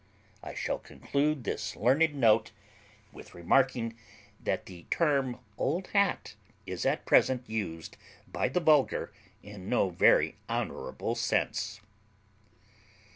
I shall conclude this learned note with remarking that the term old hat is at present used by the vulgar in no very honourable sense.